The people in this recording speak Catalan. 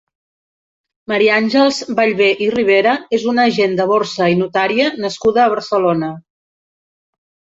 Maria Àngels Vallvé i Ribera és una agent de borsa i notària nascuda a Barcelona.